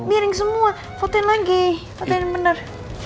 miring semua fotoin lagi fotoin benar